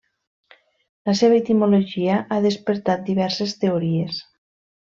La seva etimologia ha despertat diverses teories.